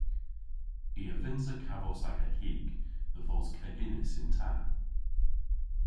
I a vynnsa kavos aga hig dhe vos keginys yn ta.